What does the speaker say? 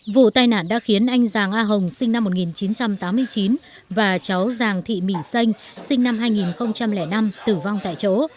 vụ tai nạn đã khiến anh giàng a hồng sinh năm một nghìn chín trăm tám mươi chín và cháu giàng thị mỹ xanh sinh năm hai nghìn năm tử vong tại chỗ